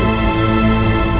kayaknyafully atau a